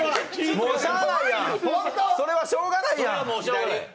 それはしょうがないやん。